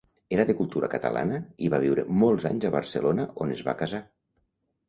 Era de cultura catalana i va viure molts anys a Barcelona on es va casar.